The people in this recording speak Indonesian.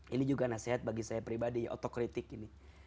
ini juga nasihat bagi saya pribadi otokritik ini